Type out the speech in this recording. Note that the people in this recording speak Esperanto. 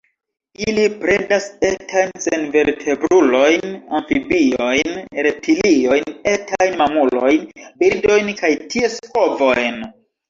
Ili predas etajn senvertebrulojn, amfibiojn, reptiliojn, etajn mamulojn, birdojn kaj ties ovojn.